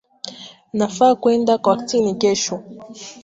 Mnafaa kuenda kortini kesho